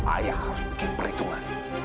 ayah harus bikin perhitungan